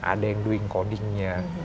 ada yang doing kodingnya